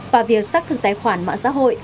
và việc xác thực tài khoản mạng xã hội